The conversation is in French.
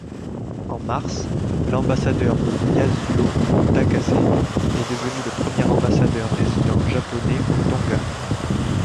En mars, l'Ambassadeur Yasuo Takase est devenu le premier ambassadeur résident japonais aux Tonga.